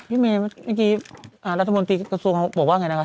พี่เมย์เมื่อกี้รัฐมนตรีกระทรวงศาลบอกว่าอย่างไรนะครับ